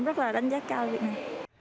em rất là đánh giá cao việc này